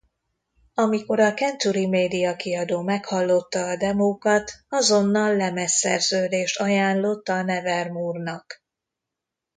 Amikor a Century Media kiadó meghallotta a demókat azonnal lemezszerződést ajánlott a Nevermore-nak.